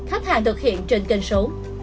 khách hàng thực hiện trên kênh số